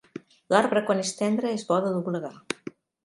L'arbre quan és tendre és bo de doblegar.